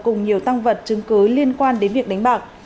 cùng nhiều tăng vật chứng cứ liên quan đến việc đánh bạc